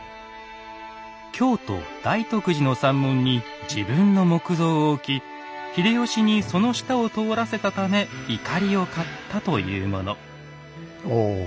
京都・大徳寺の三門に自分の木像を置き秀吉にその下を通らせたため怒りを買ったというもの。